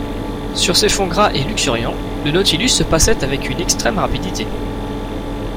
Sur ces fonds gras et luxuriants, le Nautilus passait avec une extrême rapidité.